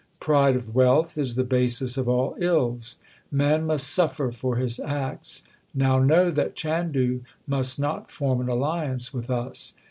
Pride of wealth is the basis of all ills. Man must suffer for his acts. Now know that Chandu must not form an alliance with us.